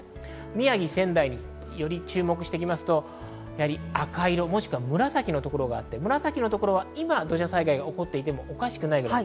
宮城・仙台より注目していきますと、赤い色、もしくは紫のところがあって紫は今、土砂災害が起こっていてもおかしくないところ。